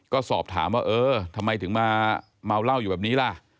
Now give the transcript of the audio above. ก็สอบถามว่าเออทำไมถึงมาเมาเหล้าอยู่แบบนี้ล่ะ